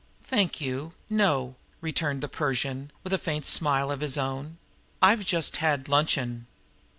"Thank you, no," returned the Persian, with a faint smile of his own. "I've just had luncheon."